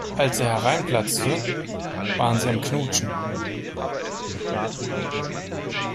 Als er hereinplatzte, waren sie am Knutschen.